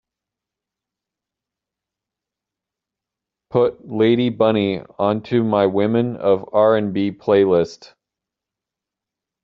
Put lady bunny onto my Women of R&B playlist.